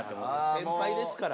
先輩ですから。